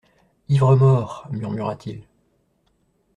Ivre mort ! murmura-t-il.